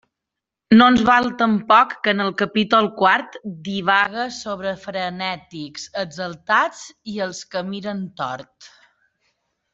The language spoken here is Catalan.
No ens val tampoc que en el capítol quart divague sobre frenètics, exaltats i els que miren tort.